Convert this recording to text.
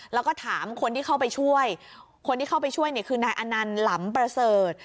แล้วก็ถามคนที่เข้าไปช่วยคนที่เข้าไปช่วยเนี่ยคือนายอนันต์หลำประเสริฐ